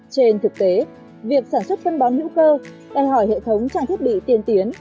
trên thực tế việc sản xuất phân bón hữu cơ đòi hỏi hệ thống trang thiết bị tiên tiến